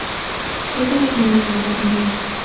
Es originaria de Borneo.